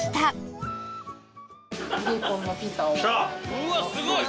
うわっすごい！